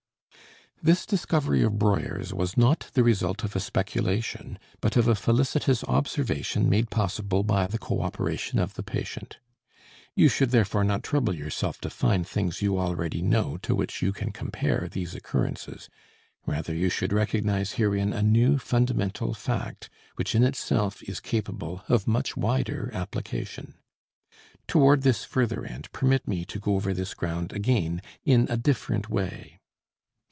This discovery of Breuer's was not the result of a speculation, but of a felicitous observation made possible by the coöperation of the patient. You should therefore not trouble yourself to find things you already know to which you can compare these occurrences, rather you should recognize herein a new fundamental fact which in itself is capable of much wider application. Toward this further end permit me to go over this ground again in a different way.